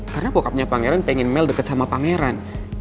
karena bokapnya pangeran pengen mel deket sama pangeran